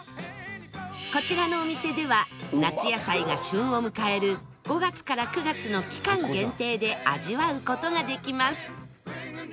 こちらのお店では夏野菜が旬を迎える５月から９月の期間限定で味わう事ができます